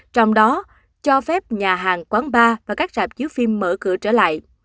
trong đó cho phép nhà hàng quán bar và các sạp chiếu phim mở cửa trở lại